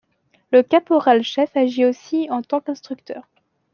Le caporal-chef agit aussi en tant qu'instructeur.